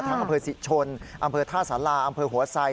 ทางอำเภอสิทธิ์ชนอำเภอท่าสาราอำเภอหัวไทย